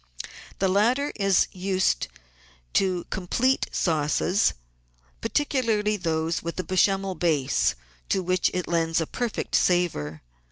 The latter is used to complete sauces, particularly those with a Bechamel base to which it lends a perfect savour.